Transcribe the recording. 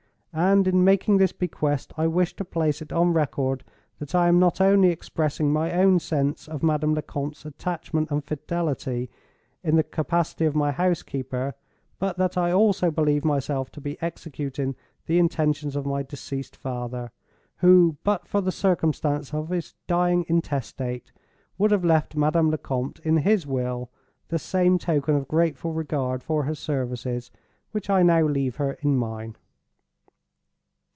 And, in making this bequest, I wish to place it on record that I am not only expressing my own sense of Madame Lecompte's attachment and fidelity in the capacity of my housekeeper, but that I also believe myself to be executing the intentions of my deceased father, who, but for the circumstance of his dying intestate, would have left Madame Lecompte, in his will, the same token of grateful regard for her services which I now leave her in mine."